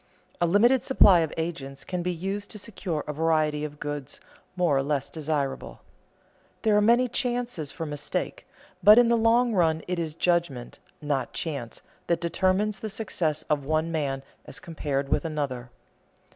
A limited supply of agents can be used to secure a variety of goods, more or less desirable. There are many chances for mistake, but in the long run it is judgment, not chance, that determines the success of one man as compared with another.